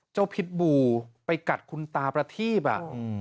เจ้าพิษบูไปกัดคุณตาประทีพอ่ะอืม